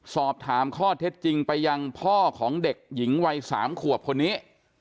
สอบถามข้อเท็จจริงไปยังพ่อของเด็กหญิงวัย๓ขวบคนนี้